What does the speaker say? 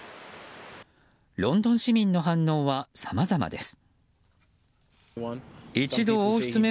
ロンドン市民の反応はさまざまです。